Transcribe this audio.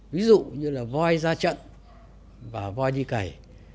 ví dụ như là voi ra trận và voi đi cẩy